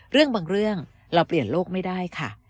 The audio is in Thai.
เรื่องบางเรื่องเราเปลี่ยนโลกไม่ได้ค่ะ